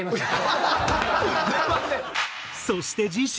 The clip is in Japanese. そして次週。